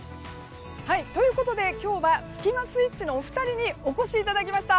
ということで今日はスキマスイッチのお二人にお越しいただきました。